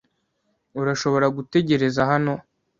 Urashobora gutegereza hano.